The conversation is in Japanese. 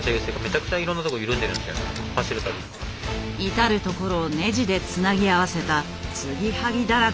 至る所をネジでつなぎ合わせた継ぎはぎだらけのモンスター。